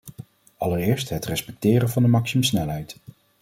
Allereerst het respecteren van de maximumsnelheid.